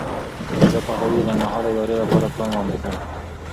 رضا پهلوي د لنډمهالې ادارې لپاره پلان وړاندې کړ.